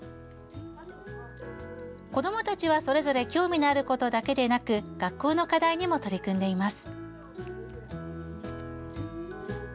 子どもたちはそれぞれ興味のあることだけでなく学校の課題にも取り組んでいます。